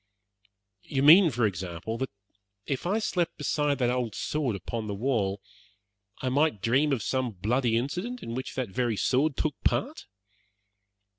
"You mean, for example, that if I slept beside that old sword upon the wall, I might dream of some bloody incident in which that very sword took part?"